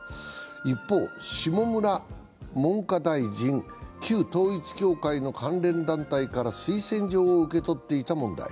一方、下村文科大臣、旧統一教会の関連団体から推薦状を受け取っていた問題。